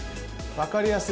分かりやすい。